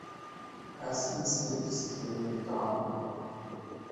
Erstens gibt es zu wenige Daten.